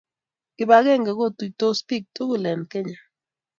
Kibakenge kotuitos pik tukul en Kenya